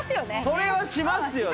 それはしますよ。